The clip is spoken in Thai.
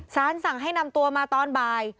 สารสั่งให้นำตัวมาตอนบ่าย